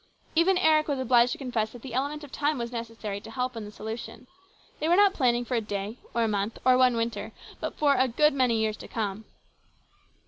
Even Eric was obliged to confess that the element of time was necessary to help in the solution. They were not planning for a day or a month or one winter, but for a good many years to come.